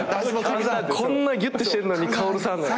こんなギュッてしてんのに「薫さん」なんだ。